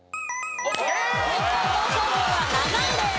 日光東照宮は７位です。